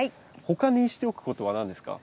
他にしておくことは何ですか？